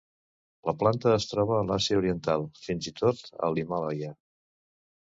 La planta es troba a l'Àsia Oriental, fins i tot a l'Himàlaia.